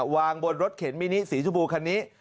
วางบนรถเข็นมินิสีชมพูคันนี้